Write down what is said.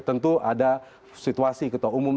tentu ada situasi umum